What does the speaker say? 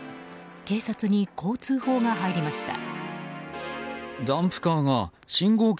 警察に、こう通報が入りました。